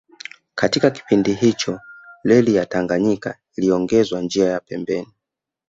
Katika kipindi hicho Reli ya Tanganyika iliongezwa njia ya pembeni